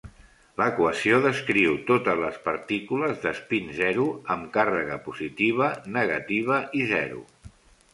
L'equació descriu totes les partícules d'espín zero amb càrrega positiva, negativa i zero.